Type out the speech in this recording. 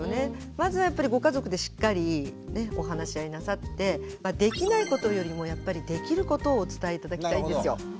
まずはやっぱりご家族でしっかりお話し合いなさってできないことよりもやっぱりできることをお伝え頂きたいんですよ。